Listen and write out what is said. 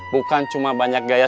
bukan cuma banyak gaya